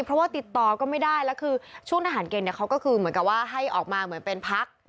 เพราะว่าติดต่อก็ไม่ได้แล้วคือช่วงทหารเกณฑ์เขาก็คือเหมือนกับว่าให้ออกมาเหมือนเป็นพัก